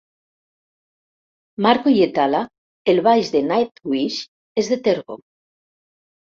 Marco Hietala, el baix de Nightwish és de Tervo.